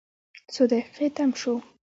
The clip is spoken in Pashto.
څو دقیقې تم شوو.